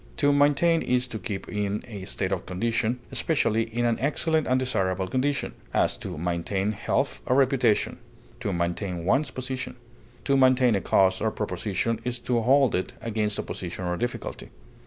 To maintain is to keep in a state or condition, especially in an excellent and desirable condition; as, to maintain health or reputation; to maintain one's position; to maintain a cause or proposition is to hold it against opposition or difficulty.